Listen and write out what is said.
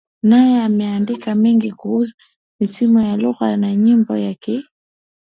naye ameandika mengi kuhusu misemo ya lugha na nyimbo za Kiha